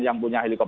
dan saya tentu